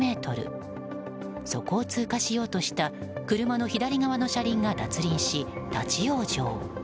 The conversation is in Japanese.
そこを通過しようとした車の左側の車輪が脱輪し立ち往生。